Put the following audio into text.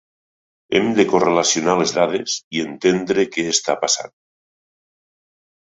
Hem de correlacionar les dades i entendre què està passant.